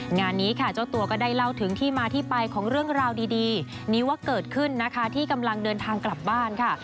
งานนี้ค่ะเจ้าตัวก็ได้เล่าถึงที่มาที่ไปของเรื่องราวดีนี้ว่าเกิดขึ้นนะคะที่กำลังเดินทางกลับบ้านค่ะ